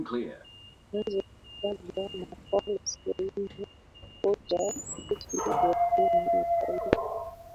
anza kutajwa na paul sein kochi wa timu ya taifa